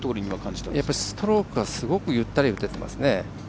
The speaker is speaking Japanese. ストロークが、すごくゆったり打てていますね。